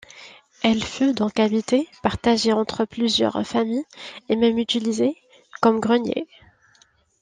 Elle fut donc habitée, partagée entre plusieurs familles et même utilisée comme grenier.